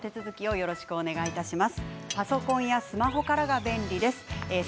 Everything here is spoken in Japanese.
よろしくお願いします。